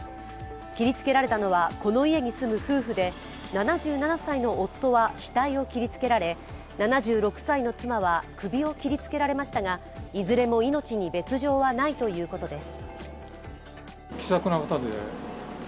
切りつけられたのはこの家に住む夫婦で７７歳の夫は額を切りつけられ７６歳の妻は首を切りつけられましたが、いずれも命に別状はないということです。